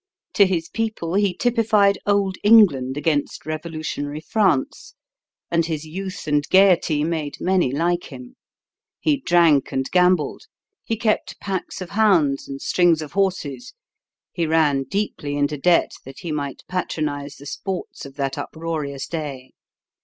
To his people he typified old England against revolutionary France; and his youth and gaiety made many like him. He drank and gambled; he kept packs of hounds and strings of horses; he ran deeply into debt that he might patronize the sports of that uproarious day.